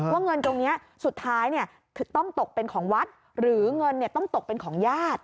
เงินตรงนี้สุดท้ายต้องตกเป็นของวัดหรือเงินต้องตกเป็นของญาติ